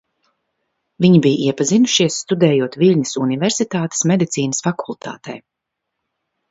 Viņi bija iepazinušies, studējot Viļņas Universitātes Medicīnas fakultātē.